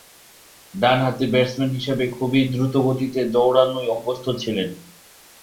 ডানহাতি ব্যাটসম্যান হিসেবে খুবই দ্রুতগতিতে দৌড়ানোয় অভ্যস্ত ছিলেন।